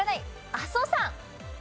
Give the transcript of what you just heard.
阿蘇山！